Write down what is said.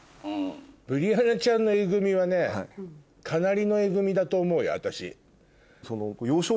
ブリアナちゃんのエグ味はねかなりのエグ味だと思うよ私。